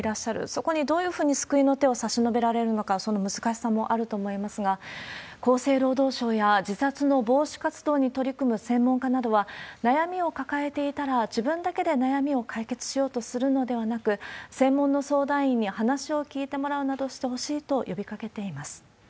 そこにどういうふうに救いの手を差し伸べられるのか、その難しさもあると思いますが、厚生労働省や自殺の防止活動に取り組む専門家などは、悩みを抱えていたら、自分だけで悩みを解決しようとするのではなく、専門の相談員に話を聞いてもらうなどしてほしいと呼びかけています。